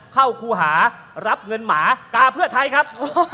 เข้าคู่หารับเงินหมากาเพื่อไทยครับ